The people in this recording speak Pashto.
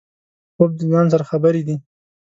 خوب د ځان سره خبرې دي